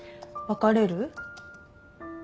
別れるよ。